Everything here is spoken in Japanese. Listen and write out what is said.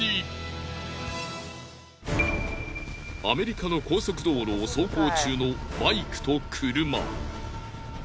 アメリカの高速道路を走行中のバイクと車。